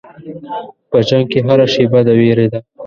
په جنګ کې هره شېبه د وېرې ده.